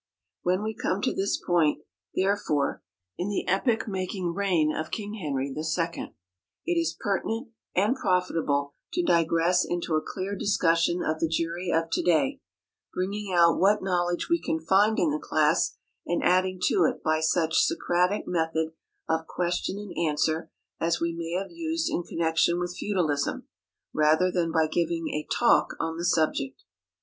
When we come to this point, therefore, in the epoch making reign of King Henry II, it is pertinent and profitable to digress into a clear discussion of the jury of to day, bringing out what knowledge we can find in the class, and adding to it by some such Socratic method of question and answer as we may have used in connection with feudalism, rather than by giving a "talk" on the subject.